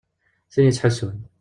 Tin yettḥusun.